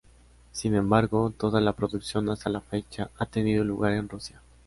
Sin embargo, toda la producción hasta la fecha ha tenido lugar en Rusia.